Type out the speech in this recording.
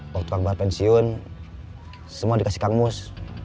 waktu kang bahar pensiun semua dikasih kang mus